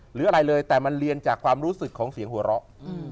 หรืออะไรเลยแต่มันเรียนจากความรู้สึกของเสียงหัวเราะ